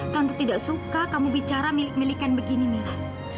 tante tidak suka kamu bicara milik milikan begini mila